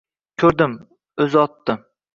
Ko‘rdim, o‘zi otdi.